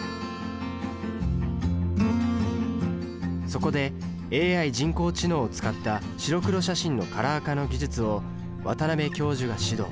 そこでＡＩ人工知能を使った白黒写真のカラー化の技術を渡邉教授が指導。